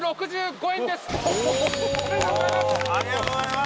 おめでとうございます。